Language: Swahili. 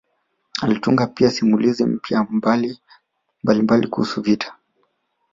Alitunga pia simulizi mpya mbalimbali kuhusu vita